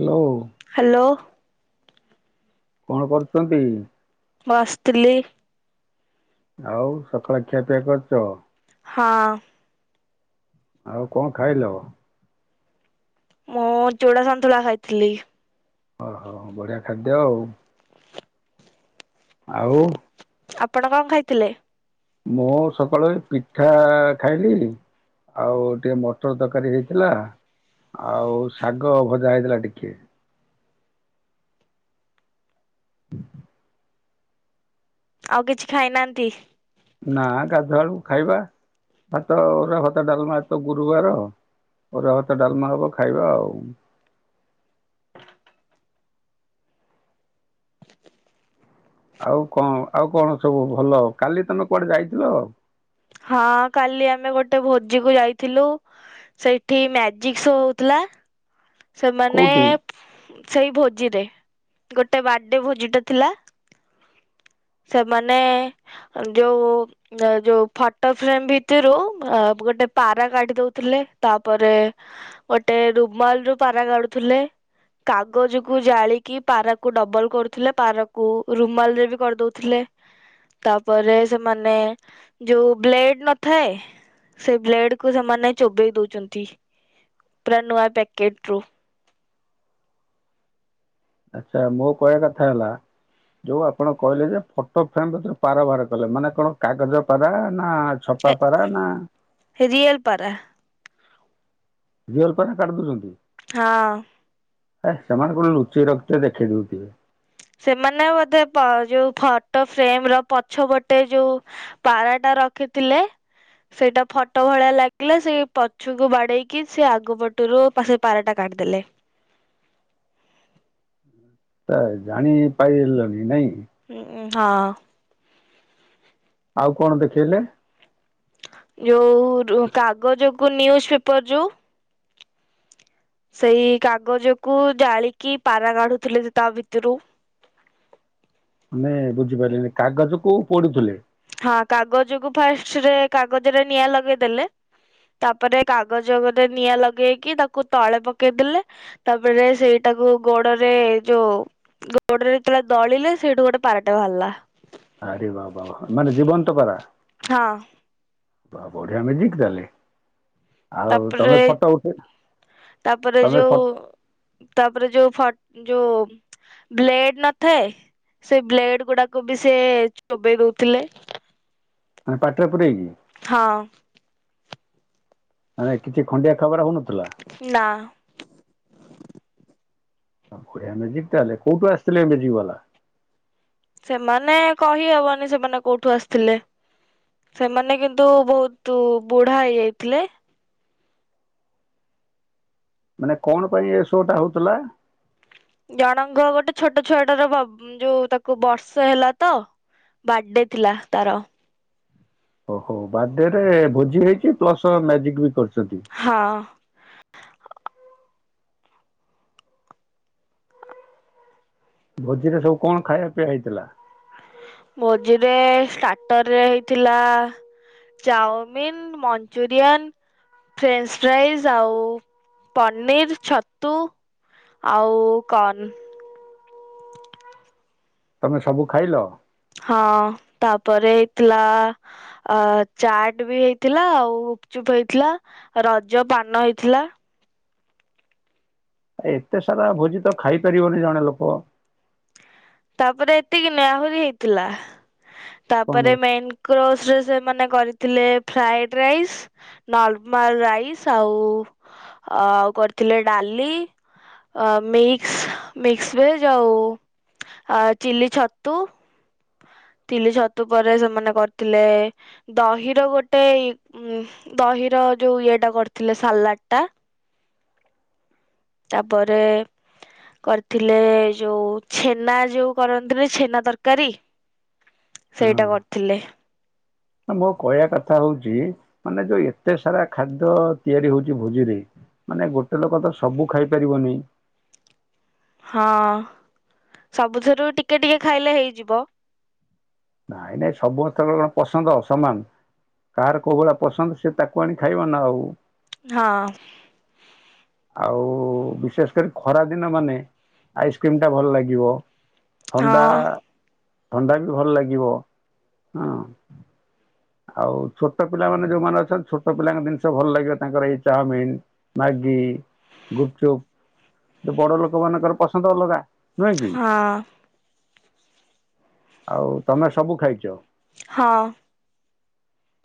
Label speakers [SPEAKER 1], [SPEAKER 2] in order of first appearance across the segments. [SPEAKER 1] Hello
[SPEAKER 2] hello
[SPEAKER 1] କଣ କରୁଚନ୍ତି?
[SPEAKER 2] ବସ୍ ଥିଲି
[SPEAKER 1] ଆଉ ସକାଳ ଖିଆପିଆ କରିଛ?
[SPEAKER 2] ହଁ
[SPEAKER 1] ଆଉ କଣ ଖାଇଲ?
[SPEAKER 2] ମୁଁ ଚୁଡ଼ା ସନ୍ତୁଳା ଖାଇଥିଲି।
[SPEAKER 1] ଓହୋ ବଢିଆ ଖାଦ୍ୟ ଆଉ ଆଉ
[SPEAKER 2] ଆପଣ କଣ ଖାଇଥିଲେ?
[SPEAKER 1] ମୁଁ ସକାଳୁ ଏଇ ପିଠା ଖାଇଲି ଆଉ ଟିକେ ମଟର ତରକାରୀ ହେଇଥିଲା। ଆଉ ଶାଗ ଭଜା ହେଇଥିଲା ଟିକେ [inaudible]
[SPEAKER 2] ଆଉ କିଛି ଖାଇନାହାନ୍ତି?
[SPEAKER 1] ନା ଗାଧୁଆବେଳକୁ ଖାଇବା ଭାତ ଅରୁଆ ଭାତ ଡାଲ୍ମା ଆଜିତ ଗୁରୁବାର ଅରୁଆ ଭାତ ଡାଲ୍‌ମା ହବ ଖାଇବା ଆଉ ଆଉ କଣ ଆଉ କଣ ସବୁ ଭଲ, କାଲି ତମେ କୁଆଡେ ଯାଇଥିଲ?
[SPEAKER 2] ହଁ କାଲି ଆମେ ଗୋଟେ ଭୋଜି କୁ ଯାଇଥିଲୁ। ସେଇଠି ମ୍ୟାଜିକ୍ ଶୋ ହଉଥିଲା। ସେମାନେ
[SPEAKER 1] କୋଉଠି?
[SPEAKER 2] ସେଇ ଭୋଜିରେ ଗୋଟେ ବାର୍ଥଡେ ଭୋଜିଟା ଥିଲା। ସେମାନେ ଯୋଉ ଯୋଉ ଫଟୋଫ୍ରେମ ଭିତରୁ ଗୋଟେ ପାରା ରାଇଡ୍ ଦଉଥିଲେ ତାପରେ ଗୋଟେ ରୁମାଲ୍ ରୁ ପାରା କାଢୁଥିଲେ। କାଗଜକୁ ଜାଳିକି ପାରାକୁ ଡବଲ କରୁଥିଲେ ପାରାକୁ ରୁ ରୁମାଲ୍ ରେ ବି କରିଦଉଥିଲେ। ତାପରେ ସେମାନେ ଯୋଉ ବ୍ଲେଡ ନଥାଏ। ସେ ବ୍ଲେଡ୍ କୁ ସେମାନେ ଚୋବେଇ ଦଉଛନ୍ତି ପୁରା ନୂଆ ପ୍ୟାକେଟରୁ
[SPEAKER 1] ଆଚ୍ଛା ମୋ କହିବା କଥା ହେଲା ଯୋଉ ଆପଣ କହିଲେ ଯେ ଫଟୋ ଫ୍ରେମ୍ ଭିତରୁ ପାରା ବାହାର କଲେ ମାନେ କଣ କାଗଜ ପାରା ନା ସପା ପାରା ନା
[SPEAKER 2] ରିଏଲ୍ ପାରା
[SPEAKER 1] ରିୟଲ ପାରା କାଢି ଦଉଛନ୍ତି!
[SPEAKER 2] ହଁ
[SPEAKER 1] ହେ ସେମାନେ କୋଉଠି ଲୁଚେଇ ରଖିଥିବେ ଦେଖେଇ ଦେଉଥିବେ।
[SPEAKER 2] ସେମାନେ ବୋଧେ ପ-ଅ ଯୋଉ ଫଟୋ ଫ୍ରେମର ପଛପଟେ ଯୋଉ ପାରାଟା ରଖିଥିଲେ ସେଇଟା ଫଟୋ ଭଳିଆ ଲାଗିଲା ସେଇ ପଛୁକୁ ବାଡେଇକି ସେ ଆଗ ପଟରୁ ପା ସେ ପାରାଟା କାଢ଼ିଦେଲେ।
[SPEAKER 1] ତ ଜାଣିପାଇଲନି, ନାଇଁ?
[SPEAKER 2] ହୁଁ-ଉଁ-ଉଁ ହଁ।
[SPEAKER 1] ଆଉ କଣ ଦେଖେଇଲେ?
[SPEAKER 2] ଯୋଉ-ଉ-ଉ ରୁ କାଗଜକୁ ନ୍ୟୁଜ ପେପର ଯୋଉ ସେଇ କାଗଜକୁ ଜାଳିକି ପାରା କାଢୁଥିଲେ ଯେ ତା ଭିତରୁ।
[SPEAKER 1] ମାନେ ବୁଝିପାରିଲିନି, କାଗଜକୁୁ ପୋଡୁଥିଲେ?
[SPEAKER 2] ହଁ କାଗଜକୁ ଫାଷ୍ଟରେ କାଗଜରେ ନିଆଁ ଲଗେଇଦେଲେ। ତାପରେ କାଗଜଗରେ ନିଆଁ ଲଗେଇକି ତାକୁ ତଳେ ପକେଇଦଲେ। ତାପରେ ସେଇଟାକୁ ଗୋଡରେ ଯୋଉ ଗୋଡରେ ଯେତେବେଳେ ଦଳିଲେ ସେଇଠୁ ଗୋଟେ ପାରାଟେ ବାହାରିଲା।
[SPEAKER 1] ଆରେ ବା-ବା-ବା ମାନେ ଜୀବନ୍ତ ପାରା?
[SPEAKER 2] ହଁ।
[SPEAKER 1] ବାଃ ବଢିଆ ମେଜିକ୍ ତାହେଲେ। ଆଉ
[SPEAKER 2] ତାପରେ,
[SPEAKER 1] ତମେ ଫଟୋ ଉଠେଇ
[SPEAKER 2] ତାପରେ
[SPEAKER 1] ତମେ ଫ
[SPEAKER 2] ଯୋଉ ତାପରେ ଯୋଉ ଫ ଯୋଉ ବ୍ଲେଡ ନଥାଏ ସେ ବ୍ଲେଡ ଗୁଡାକୁ ବି ସେ ଚୋବେଇ ଦେଉଥିଲେ।
[SPEAKER 1] ମାନେ ପାଟିରେ ପୁରେଇକି?
[SPEAKER 2] ହଁ।
[SPEAKER 1] ମାନେ କିଛି ଖଣ୍ଡିଆ ଖାବରା ହଉ ନଥିଲା?
[SPEAKER 2] ନା।
[SPEAKER 1] ଆଉ ବଢିଆ ମେଜିକ୍ ତାହେଲେ, କୋଉଠୁ ଆସିଥିଲେ ଏ ମେଜିକ୍ ବାଲା?
[SPEAKER 2] ସେମାନେ କହି ହବନି ସେମାନେ କୋଉଠୁ ଆସିଥିଲେ। ସେମାନେ କିନ୍ତୁ ବହୁତ ବୁଢ଼ା ହେଇ ଯାଇଥିଲେ।
[SPEAKER 1] ମାନେ କଣ ପାଇଁ ଏ ଶୋ ଟା ହଉଥିଲା?
[SPEAKER 2] ଜଣଙ୍କ ଗୋଟେ ଛୋଟ ଛୁଆଟାର ବ ଯୋଉ ତାକୁ ବର୍ଷେ ହେଲା ତ। ବାର୍ଥଡେ ଥିଲା ତାର।
[SPEAKER 1] ଓହୋଃ, ବାର୍ଥଡେରେ ଭୋଜି ହେଇଛି ପ୍ଲସ ମ୍ୟାଜିକ୍ ବି କରିଛନ୍ତି।
[SPEAKER 2] ହଁ।
[SPEAKER 1] ଭୋଜିରେ ସବୁ କଣ ଖାଇବା ପିଇବା ହେଇଥିଲା?
[SPEAKER 2] ଭୋଜିରେ ଷ୍ଟାର୍ଟରରେ ହେଇଥିଲା ଚାଓମିିନ୍ ମଞ୍ଚୁରିୟନ ଫ୍ରେଞ୍ଚ୍ ଫ୍ରାଇଜ୍ ଆଉ-ଉ ପନିର ଛତୁ। ଆଉ କର୍ଣ୍ଣ।
[SPEAKER 1] ତମେ ସବୁ ଖାଇଲ?
[SPEAKER 2] ହଁଅ ତାପରେ ହେଇଥିଲା ଅ-ଅ ଚାଟ୍ ବି ହେଇଥିଲା ଆଉ ଗୁପଚୁପ ହେଇଥିଲା ରଜ ପାନ ହେଇଥିଲା।
[SPEAKER 1] ଏତେ ସାରା ଭୋଜି ତ ଖାଇ ପାରିବନି ଜଣେ ଲୋକ।
[SPEAKER 2] ତାପରେ ଏତିକି ନୁହେଁ ଆହୁରି ହେଇଥିଲା,
[SPEAKER 1] କଣ
[SPEAKER 2] ତାପରେ ମେନ୍ କ୍ରୋସରେ ସେମାନେ କରିଥିଲେ ଫ୍ରାଏଡ୍ ରାଇସ୍ ନର୍ମାଲ ରାଇସ୍ ଆଉ-ଆଉ କରିଥିଲେ ଡାଲି ଅ ମିକ୍ସ ମିକ୍ସ ଭେଜ ଆଉ ଆ ଚିଲି ଛତୁ ଚିଲି ଛତୁ ପରେ ସେମାନେ କରିଥିଲେ ଦହିର ଗୋଟେ ଉ ଦହିର ଯୋଉ ଇଏଟା କରିଥିଲେ ସାଲାଡ ଟା। ତାପରେ କରିଥିଲେ ଯୋଉ ଛେନା ଯୋଉ କରନ୍ତିନ ଛେନା ତରକାରୀ ସେଇଟା
[SPEAKER 1] ହଁ
[SPEAKER 2] କରିଥିଲେ।
[SPEAKER 1] ମୋ କହିବା କଥା ହଉଛି ମାନେ ଯୋଉ ଏତେ ସାରା ଖାଦ୍ୟ ତିଆରି ହଉଛି ଭୋଜିରେ ମାନେ ଗୋଟେ ଲୋକ ତ ସବୁ ଖାଇପାରିବନି।
[SPEAKER 2] ହଁ ସବୁଥିରୁ ଟିକେ ଟିକେ ଖାଇଲେ ହେଇଯିବ।
[SPEAKER 1] ନାଇଁ ନାଇଁ ସମସ୍ତଙ୍କ କଣ ପସନ୍ଦ ସମାନ। କାହାର କୋଉ ଭଳିଆ ପସନ୍ଦ ସେ ତାକୁ ଆଣି ଖାଇବ ନା ଆଉ।
[SPEAKER 2] ହଁ
[SPEAKER 1] ଆଉ ବିଶେଷ କରି ଖରା ଦିନ ମାନେ ଆଇସ୍କ୍ରିମ ଟା ଭଲ ଲାଗିବ।
[SPEAKER 2] ହଁ
[SPEAKER 1] ଥଣ୍ଡା ଥଣ୍ଡା ବି ଭଲ ଲାଗିବ ହୁଁ। ଆଉ ଛୋଟ ପିଲାମାନେ ଯୋଉମାନେ ଅଛନ୍ତି ଛୋଟ ପିଲାଙ୍କ ଜିନିଷ ଭଲ ଲାଗିବ। ତାଙ୍କର ଏଇ ଚାଓମିନ ମ୍ୟାଗି, ଗୁପଚୁପ ବଡ଼ଲୋକ ମାନଙ୍କର ପସନ୍ଦ ଅଲଗା ନୁହେଁ କି,
[SPEAKER 2] ହଁ
[SPEAKER 1] ଆଉ ତମେ ସବୁ ଖାଇଛ?
[SPEAKER 2] ହଁ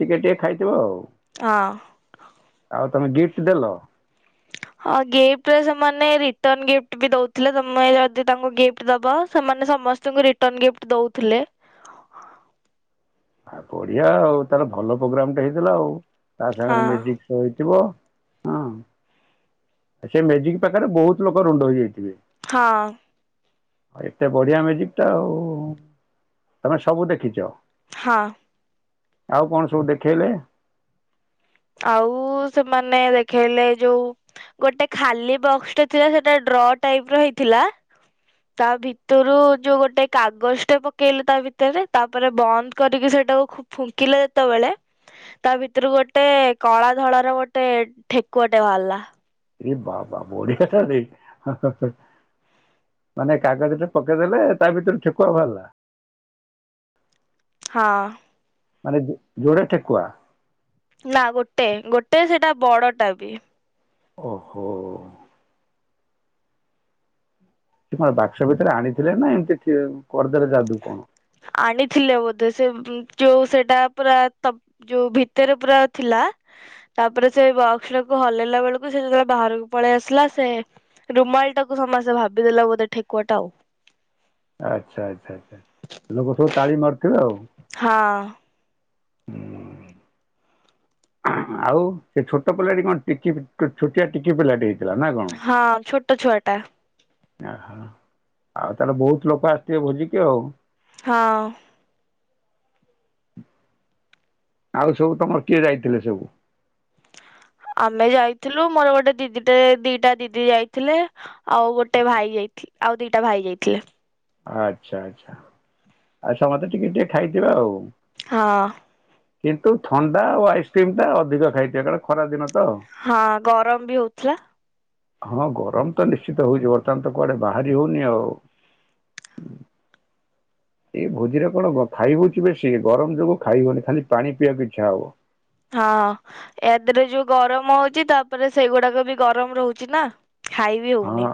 [SPEAKER 1] ଟିକେ ଟିକେ ଖାଇଥିବ ଆଉ।
[SPEAKER 2] ହଁ
[SPEAKER 1] ଆଉ ତମେ ଗିଫ୍ଟ ଦେଲ।
[SPEAKER 2] ହଁ ଗିଫ୍ଟରେ ସେମାନେ ରିଟର୍ନ ଗିଫ୍ଟ ବି ଦଉଥିଲେ, ତମେ ଯଦି ତାଙ୍କୁ ଗିଫ୍ଟ ଗିଫ୍ଟ ଦବ ସେମାନେ ସମସ୍ତଙ୍କୁ ରିଟର୍ନ ଗିଫ୍ଟ ଦଉଥିଲେ।
[SPEAKER 1] ଆ ବଢିଆ ଆଉ ତାର ଭଲ ପ୍ରୋଗ୍ରାମ ଟା ହେଇଥିଲା ଆଉ। ତା
[SPEAKER 2] ହଁ
[SPEAKER 1] ସାଙ୍ଗରେ ମେଡିସ୍ ଶୋଇଥିବ ହଁ। ସେ ମେଜିକ ପାଖରେ ବହୁତ ଲୋକ ରୁଣ୍ଡ ହୋଇଯାଇଥିବେ।
[SPEAKER 2] ହଁ
[SPEAKER 1] ହ ଏତେ ବଢ଼ିଆ ମେଜିକ ଟା ଆଉ। ତମେ ସବୁ ଦେଖିଛ।
[SPEAKER 2] ହଁ
[SPEAKER 1] ଆଉ କଣ ସବୁ ଦେଖେଇଲେ?
[SPEAKER 2] ଆଉ ସେମାନେ ଦେଖେଇଲେ ଯୋଉ ଗୋଟେ ଖାଲି ବକ୍ସଟା ଥିଲା ସେଟା ଡ୍ର ଟାଇପ ର ହେଇଥିଲା ତା ଭିତରୁ ଯୋଉ ଗୋଟେ କାଗଜ ଟେ ପକେଇଲେ ତା ଭିତରେ ତାପରେ ବନ୍ଦ କରିକି ସେଇଟାକୁ ଫୁଙ୍କିଲା ଯେତେବେଳେ ତା ଭିତରୁ ଗୋଟେ କଳା ଧଳ ର ଗୋଟେ ଠେକୁଆଟେ ବାହାରିଲା।
[SPEAKER 1] ଏ ବାବା ବଢ଼ିଆଟା ଯେ ମାନେ କାଗଜ ଟେ ପକେଇଦେଲେ ତା ଭିତରୁ ଠେକୁଆ ବାହାରିଲା।
[SPEAKER 2] ହଁ
[SPEAKER 1] ମାନେ ଜୋ ଯୋଡ଼େ ଠେକୁଆ।
[SPEAKER 2] ନା ଗୋଟେ ଗୋଟେ ସେଇଟା ବଡ଼ଟା ବି
[SPEAKER 1] ଓହୋ ସେ କଣ ବାକ୍ସ ଭିତରେ ଆଣିଥିଲେ ନା ଏମିତି କରିଦେଲେ ଯାଦୁ କଣ?
[SPEAKER 2] ଆଣିଥିଲେ ବୋଧେ ସେ ଯୋଉ ସେଟା ପୁରା ତ ଯୋଉ ଭିତରେ ପୁରା ଥିଲା ତାପରେ ସେ ବକ୍ସଟାକୁ ହଲେଇଲା ବେଳକୁ ସେ ଯେତେବେଳେ ବାହାରକୁ ପଳେଇ ଆସିଲା ସେ ରୁମାଲ ଟାକୁ ସମସ୍ତେ ଭାବିଦେଲା ବୋଧେ ଠେକୁଆ ଟା ଆଉ।
[SPEAKER 1] ଆଚ୍ଛା ଆଚ୍ଛା ଆଚ୍ଛା ଲୋକ ସବୁ ତାଳି ମାରୁିଥିବେ ଆଉ।
[SPEAKER 2] ହଁ।
[SPEAKER 1] ଆଉ ସେ ଛୋଟ ପିଲାଟି କଣ ଟିକି ଛୋଟିଆ ଟିକି ପିଲାଟି ହେଇଥିଲା ନା କଣ?
[SPEAKER 2] ହଁ ଛୋଟ ଛୁଆ ଟା।
[SPEAKER 1] ଓହୋ ଆଉ ତାହେଲେ ବହୁତ ଲୋକ ଆସିଥିବେ ଭୋଜିିକ ଆଉ।
[SPEAKER 2] ହଁ।
[SPEAKER 1] ଆଉ ସବୁ ତମର କିଏ ଯାଇଥିଲେ ସବୁ।
[SPEAKER 2] ଆମେ ଯାଇଥିଲୁ ମୋର ଗୋଟେ ଦିଦିଟେ ଦିଟା ଦିଦି ଯାଇଥିଲେ। ଆଉ ଗୋଟେ ଭାଇ ଯାଇଥିଲି ଆଉ ଦିଟା ଭାଇ ଯାଇଥିଲେ।
[SPEAKER 1] ଆଚ୍ଛା ଆଚ୍ଛା ଆଉ ସମସ୍ତେ ଟିକେ ଟିକେ ଖାଇଥିବେ ଆଉ।
[SPEAKER 2] ହଁ।
[SPEAKER 1] କିନ୍ତୁ ଥଣ୍ଡା ଆଉ ଆଇସ୍କ୍ରିମ୍ ଟା ଅଧିକ ଖାଇଥିବେ କାରଣ ଖରା ଦିନ ତ।
[SPEAKER 2] ହଁ ଗରମ ବି ହଉଥିଲା।
[SPEAKER 1] ହଁ ଗରମ ତ ନିଶ୍ଚିତ ହଉଛି ବର୍ତ୍ତମାନ ତ କୁଆଡେ ବାହାରି ହଉନି ଆଉ। ଏଇ ଭୋଜିରେ କଣ ଖାଇ ହଉଛି ବେଶୀ ଗରମ ଯୋଗୁ ଖାଇ ହଉନି ଖାଲି ପାଣି ପିଇବାକୁ ଇଚ୍ଛା ହବ।
[SPEAKER 2] ହଁ ୟା ଦେହରେ ଯୋଉ ଗରମ ହଉଛି ତାପରେ ସେଇଗୁଡାକ ବି ଗରମ ରହୁଛି ନା। ଖାଇ ବିି
[SPEAKER 1] ହଁ
[SPEAKER 2] ହଉନି।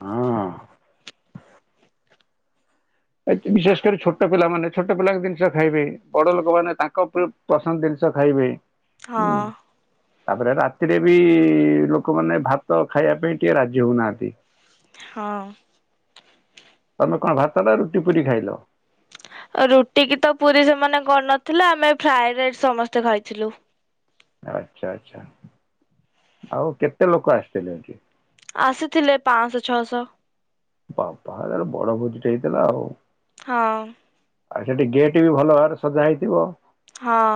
[SPEAKER 1] ହଁ। ବିଶେଷ କରି ଛୋଟ ପିଲାମାନେ ଛୋଟ ପିଲାଙ୍କ ଜିନିଷ ଖାଇବେ ବଡ ଲୋକମାନେ ତାଙ୍କ ପସନ୍ଦ ଜିନିଷ ଖାଇବେ ହୁଁ।
[SPEAKER 2] ହଁ
[SPEAKER 1] ତାପରେ ରାତିରେ ବି ଲୋକମାନେ ଭାତ ଖାଇବା ପାଇଁ ଟିକେ ରାଜି ହଉନାହାନ୍ତି।
[SPEAKER 2] ହଁ।
[SPEAKER 1] ତମେ କଣ ଭାତନା ରୁଟି ପୁରୀ ଖାଇଲ।
[SPEAKER 2] ରୁଟି କି ତ ପୁରୀ ସେମାନେ କରିନଥିଲେ ଆମେ ଫ୍ରାଏଡ ରାଇସ୍ ସମସ୍ତେ ଖାଇଥିଲୁ।
[SPEAKER 1] ଆଚ୍ଛା ଆଚ୍ଛା ଆଉ କେତେ ଲୋକ ଆସିଥିଲେ।
[SPEAKER 2] ଆସିଥିଲେ ପାଞ୍ଚଶହ ଛଅଶହ।
[SPEAKER 1] ବାପାରି ବଡ ଭୋଜିଟେ ହେଇଥିଲା ଆଉ।
[SPEAKER 2] ହଁ।
[SPEAKER 1] ଆଉ ସେଠି ଗେଟ୍ ବି ଭଲ ଭାବରେ ସଜା ହେଇଥିବ।
[SPEAKER 2] ହଁ।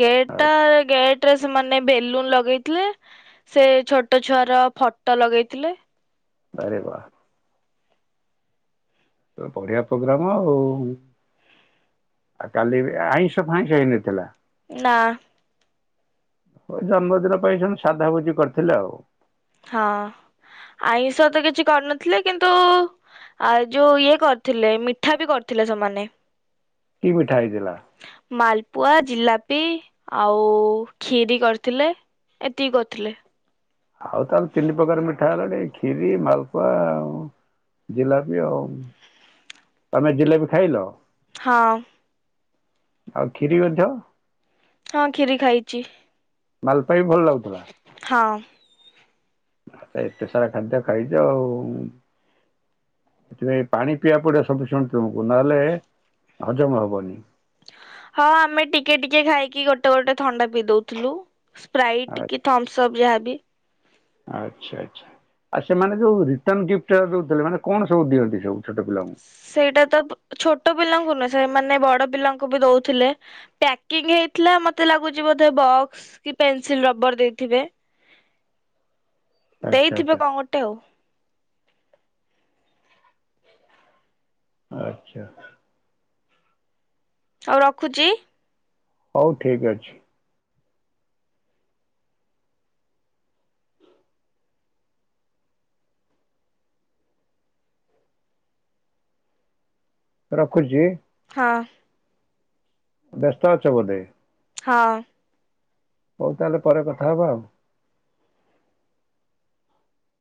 [SPEAKER 2] ଗେଟ୍ ଗେଟରେ ସେମାନେ ବେଲୁନ ଲଗେଇଥିଲେ। ସେ ଛୋଟ ଛୁଆର ଫଟୋ ଲଗେଇଥିଲେ।
[SPEAKER 1] ଆରେ ବା। ତ ବଢିଆ ପୋଗ୍ରାମ ଆଉ। ଆଉ କାଲି ବି ଆଇଁଷ ଫାଇଁଷ ହେଇନଥିଲା।
[SPEAKER 2] ନା।
[SPEAKER 1] ଓ ଜନ୍ମଦିନ ପାଇଁ ସବୁ ସାଧା ଭୋଜି କରିଥିଲେ ଆଉ।
[SPEAKER 2] ହଁ ଆଇଁଷ ତ କିଛି କରିନଥିଲେ କିନ୍ତୁ ଆଉ ଯୋଉ ଇଏ କରିଥିଲେ ମିଠା ବି କରିଥିଲେ ସେମାନେ।
[SPEAKER 1] କି ମିଠା ହେଇଥିଲା?
[SPEAKER 2] ମାଲପୁଆ ଜିଲାପି ଆଉ ଖିରି କରିଥିଲେ। ଏତିକି କରିଥିଲେ।
[SPEAKER 1] ଆଉ ତାହେଲେ ତିନି ପ୍ରକାର ମିଠା ହେଲାଣି କ୍ଷୀରି ମାଲପୁଆ ଆଉ। ଜିଲାପି ଆଉ ତମେ ଜିଲାପି ଖାଇଲ?
[SPEAKER 2] ହଁ
[SPEAKER 1] ଆଉ କ୍ଷୀରି ମଧ୍ୟ
[SPEAKER 2] ହଁ ଖୀରି ଖାଇଛି
[SPEAKER 1] ମାଲପୁଆ ବି ଭଲ ଲାଗୁଥିଲା
[SPEAKER 2] ହଁ
[SPEAKER 1] ଆଚ୍ଛା ଏତେ ସାରା ଖାଦ୍ୟ ଖାଇଛ ଆଉ ସେଥିପାଇଁ ପାଣି ପିଇବା ପଡିବ ସଫିଶିଏଣ୍ଟ ତୁମକୁ ନହେଲେ ହଜମ ହବନି
[SPEAKER 2] ହଁ ଆମେ ଟିକେ ଟିକେ ଖାଇକି ଗୋଟେ ଗୋଟେ ଥଣ୍ଡା ପିଇ ଦଉଥିଲୁ ସ୍ପ୍ରାଇଟ୍
[SPEAKER 1] ଆ-
[SPEAKER 2] କି ଥମ୍ସଅପ୍ ଯାହାବି
[SPEAKER 1] ଆଚ୍ଛା ଆଚ୍ଛା ଆଉ ସେମାନେ ଯୋଉ ରିଟନ ଗିଫ୍ଟ ଦଉଥିଲେ ମାନେ କଣ ସବୁ ଦିଅନ୍ତି ସବୁ ଛୋଟ ପିଲାଙ୍କୁ
[SPEAKER 2] ସେଇଟା ତ ଛୋଟ ପିଲାଙ୍କୁ ନୁହେଁ ସେମାନେ ବଡ ପିଲାଙ୍କୁ ବି ଦଉଥିଲେ ପ୍ୟାକିଂ ହେଇଥିଲା ମତେ ଲାଗୁଛି ବୋଧେ ବକ୍ସ କି ପେନସିଲ ରବର ଦେଇଥିବେ
[SPEAKER 1] [unintelligible] ଆଚ୍ଛା।
[SPEAKER 2] ଦେଇଥିବେ କଣ ଗୋଟେ ଆଉ
[SPEAKER 1] ଆଚ୍ଛା
[SPEAKER 2] ହଉ ରଖୁଛି
[SPEAKER 1] ହଉ ଠିକ ଅଛି ରଖୁଛି
[SPEAKER 2] ହଁ
[SPEAKER 1] ବ୍ୟସ୍ତ ଅଛ ବୋଧେ
[SPEAKER 2] ହଁ
[SPEAKER 1] ହଉ ତାହେଲେ ପରେ କଥା ହବା ଆଉ